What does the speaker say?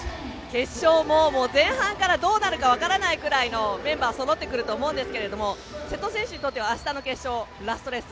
決勝も前半からどうなるか分からないくらいのメンバーがそろってくると思いますが瀬戸選手にとっては明日の決勝ラストレース